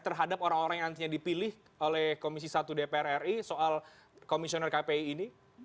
terhadap orang orang yang nantinya dipilih oleh komisi satu dpr ri soal komisioner kpi ini